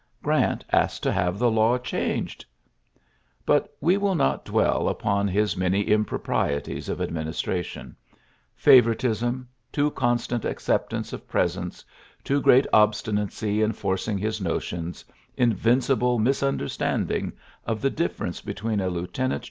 Grant L to have the law changed ! t we will not dwell upon his many oprieties of administration — fa tism, too constant acceptance of nts, too great obstinacy in forcing otions, invincible misunderstanding e difference between a lieutenant